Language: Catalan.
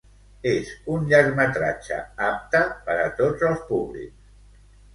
És un llargmetratge apte per a tots els públics?